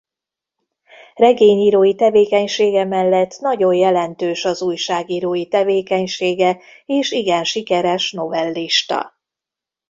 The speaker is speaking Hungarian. Regényírói tevékenysége mellett nagyon jelentős az újságírói tevékenysége és igen sikeres novellista.